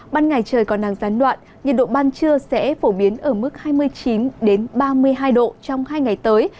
ban ngày trời còn nắng gián đoạn nhiệt độ ban trưa sẽ phổ biến ở mức hai mươi chín ba mươi hai độ trong hai ngày tới